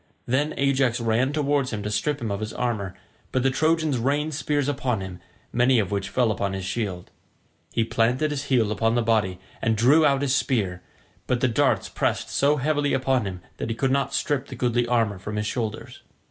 Then Ajax ran towards him to strip him of his armour, but the Trojans rained spears upon him, many of which fell upon his shield. He planted his heel upon the body and drew out his spear, but the darts pressed so heavily upon him that he could not strip the goodly armour from his shoulders.